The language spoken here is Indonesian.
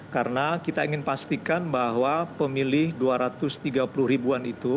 karena kita ingin pastikan bahwa pemilih dua ratus tiga puluh ribuan itu